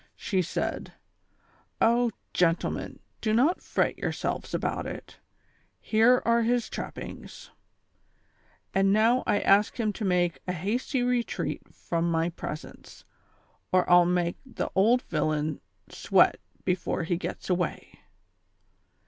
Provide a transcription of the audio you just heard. She said :" Oh, gentlemen, do not fret yourselves about it, here are his trappings ; and now I ask him to make a hasty retreat from my presence, or I'll make the old villain sweat before he gets away."